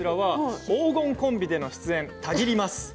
黄金コンビでの主演たぎります。